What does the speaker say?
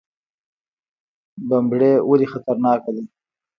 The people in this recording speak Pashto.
بمبړې ولې خطرناکه ده؟